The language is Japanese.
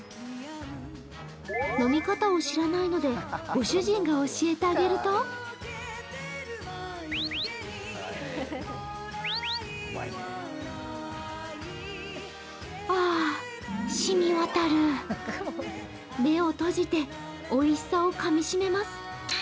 飲み方を知らないので、ご主人が教えてあげると目を閉じておいしさをかみ締めます。